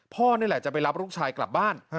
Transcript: พ่อนี่แหละจะไปรับลูกชายกลับบ้าน